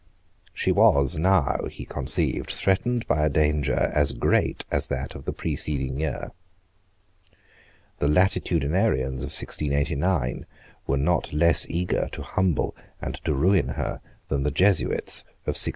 She was now, he conceived, threatened by a danger as great as that of the preceding year. The Latitudinarians of 1689 were not less eager to humble and to ruin her than the Jesuits of 1688.